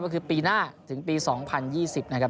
ก็คือปีหน้าถึงปี๒๐๒๐นะครับ